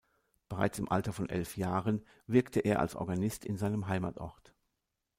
Bereits im Alter von elf Jahren wirkte er als Organist in seinem Heimatort.